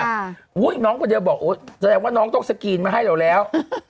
ต้องไหมล่ะอุ้ยน้องก็เดี๋ยวบอกแสดงว่าน้องต้องสกรีนมาให้เราแล้ว